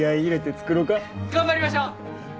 頑張りましょう！